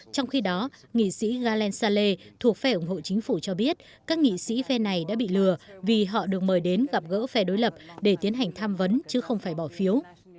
trong khi đó nghị sĩ garelensale thuộc phe ủng hộ chính phủ cho biết các nghị sĩ phe này đã bị lừa vì họ được mời đến gặp gỡ phe đối lập để tiến hành tham vấn chứ không phải bỏ phiếu